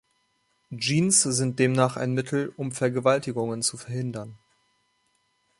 Jeans sind demnach ein Mittel, um Vergewaltigungen zu verhindern.